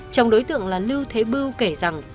chồng đối tượng là lưu thế bưu kể rằng